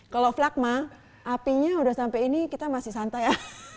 kalau flagma apinya udah sampai ini kita masih santai ya